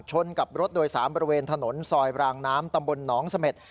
ชนกับรถโดยสารบริเวณถนนซอยรางน้ำตำบลหนองเสม็ด